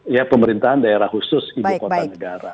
ya pemerintahan daerah khusus ibu kota negara